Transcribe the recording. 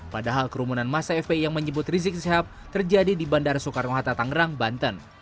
padahal kerumunan masa fpi yang menyebut rizik sihab terjadi di bandara soekarno hatta tangerang banten